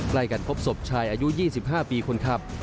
ใกล้กันพบศพชายอายุ๒๕ปีคนขับ